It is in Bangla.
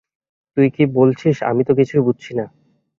তুই কি বলছিস, আমি তো কিছুই বুঝছি না।